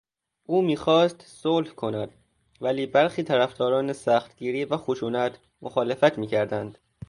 او میخواست صلح کند ولی برخی طرفداران سختگیری و خشونت، مخالفت میکردند.